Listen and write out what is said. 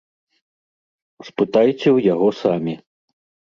Спытайце ў яго самі.